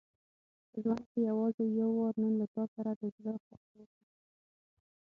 په ژوند کې یوازې یو وار نن له تا سره د زړه خواله وکړم.